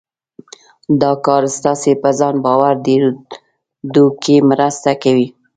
دا کار ستاسې په ځان باور ډېرېدو کې مرسته کوي.